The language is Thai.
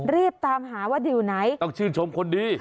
รีบตามหาว่าอยู่ไหนต้องชื่นชมคนดี